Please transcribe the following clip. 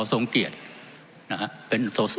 ทั้งสองกรณีผลเอกประยุทธ์